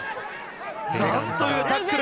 なんというタックル！